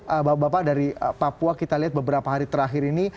bapak bapak dari papua kita lihat beberapa hari terakhir ini